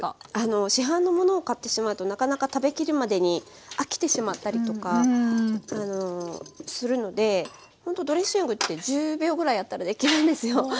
市販のものを買ってしまうとなかなか食べきるまでに飽きてしまったりとかするのでほんとドレッシングって１０秒ぐらいあったらできるんですよ。